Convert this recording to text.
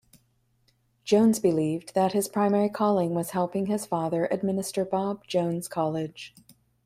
Jones believed that his primary calling was helping his father administer Bob Jones College.